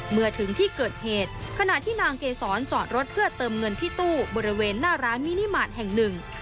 เมื่อถึงที่เกิดเหตุขณะที่นางเกษรจอดรถเพื่อเติมเงินที่ตู้บริเวณหน้าร้านมินิมาตรแห่งหนึ่ง